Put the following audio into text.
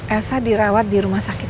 elsa dirawat di rumah sakit